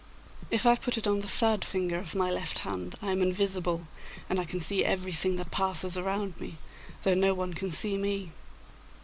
If I put it on the third finger of my left hand I am invisible, and I can see everything that passes around me, though no one can see me.